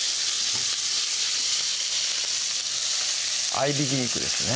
合いびき肉ですね